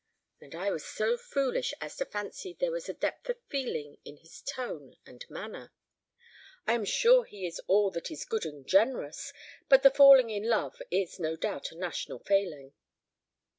And I was so foolish as to fancy there was a depth of feeling in his tone and manner! I am sure he is all that is good and generous; but the falling in love is no doubt a national failing."